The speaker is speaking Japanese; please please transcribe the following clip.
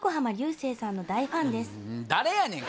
誰やねん！